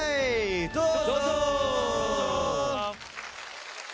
どうぞ。